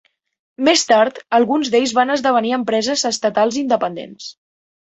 Més tard, alguns d'ells van esdevenir empreses estatals independents.